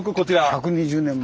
１２０年前？